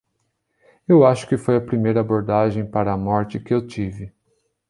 Eu acho que foi a primeira abordagem para a morte que eu tive.